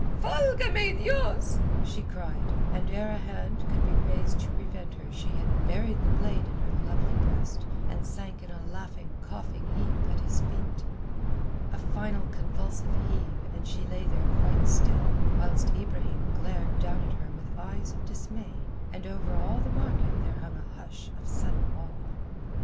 "Valga me Dios!" she cried, and ere a hand could be raised to prevent her she had buried the blade in her lovely breast and sank in a laughing, coughing, heap at his feet. A final convulsive heave and she lay there quite still, whilst Ibrahim glared down at her with eyes of dismay, and over all the market there hung a hush of sudden awe.